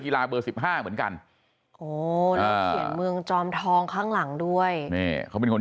กีฬาเบอร์๑๕เหมือนกันเห็นเมืองจอมทองข้างหลังด้วยเขาเป็นคน